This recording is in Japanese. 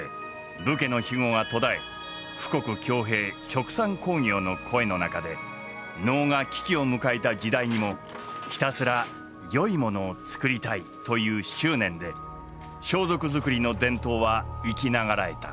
殖産興業の声の中で能が危機を迎えた時代にもひたすらよいものを作りたいという執念で装束作りの伝統は生き長らえた。